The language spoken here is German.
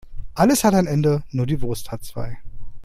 Alles hat ein Ende, nur die Wurst hat zwei.